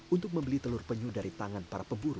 untuk membeli telur penyu dari tangan para pemburu